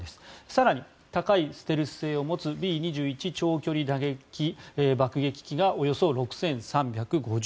更に高いステルス性を持つＢ２１長距離打撃爆撃機がおよそ６３５０億円。